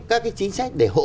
các cái chính sách